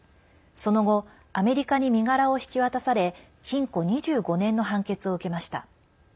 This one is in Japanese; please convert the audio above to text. その後アメリカに身柄を引き渡され禁錮２５年の判決を受けました。